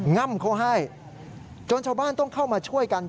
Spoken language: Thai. ง่ำเขาให้จนชาวบ้านต้องเข้ามาช่วยกัน